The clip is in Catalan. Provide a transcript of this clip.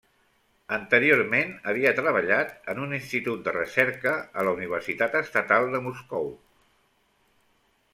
Anteriorment havia treballat en un institut de recerca a la Universitat Estatal de Moscou.